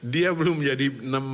dia belum jadi